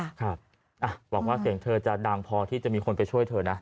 หวังว่าเสียงเธอจะดังพอที่จะมีคนไปช่วยเธอนะ